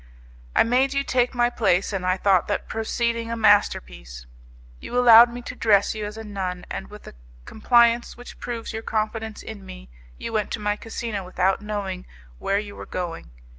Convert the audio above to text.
I made you take my place, and I thought that proceeding a masterpiece. You allowed me to dress you as a nun, and with a compliance which proves your confidence in me you went to my casino without knowing where you were going.